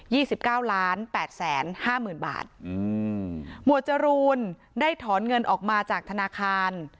ี่สิบเก้าล้านแปดแสนห้าหมื่นบาทอืมหมวดจรูนได้ถอนเงินออกมาจากธนาคาร